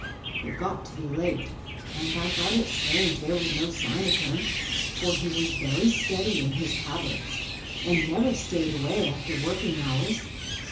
It got to be late, and I thought it strange there was no sign of him, for he was very steady in his habits, and never stayed away after working hours.